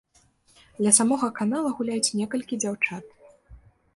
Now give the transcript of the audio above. Ля самога канала гуляюць некалькі дзяўчат.